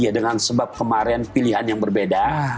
dengan sebab kemarin pilihan yang berbeda